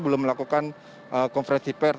belum melakukan konferensi pers